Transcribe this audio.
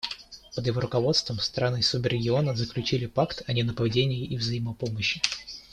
Под его руководством страны субрегиона заключили пакт о ненападении и взаимопомощи.